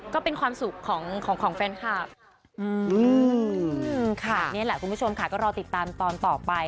ก็เป็นความสุขของแฟนแคลป